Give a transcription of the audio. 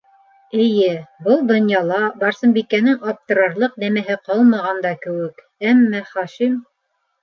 Эйе, был донъяла Барсынбикәнең аптырарлыҡ нәмәһе ҡалмаған да кеүек, әммә Хашим...